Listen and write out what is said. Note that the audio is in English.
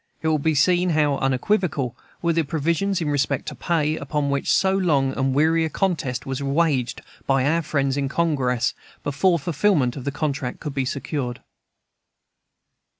It will be seen how unequivocal were the provisions in respect to pay, upon which so long and weary a contest was waged by our friends in Congress, before the fulfilment of the contract could be secured.